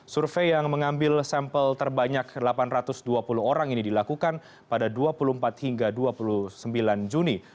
survei yang mengambil sampel terbanyak delapan ratus dua puluh orang ini dilakukan pada dua puluh empat hingga dua puluh sembilan juni